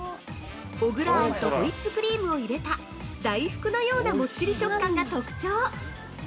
小倉あんとホイップクリームを入れた大福のようなもっちり食感が特徴！